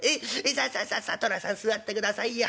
さあさあさあさあ寅さん座ってくださいよ。